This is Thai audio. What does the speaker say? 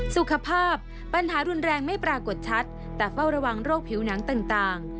สุขภาพปัญหารุนแรงไม่ปรากฏชัดแต่เฝ้าระวังโรคผิวหนังต่าง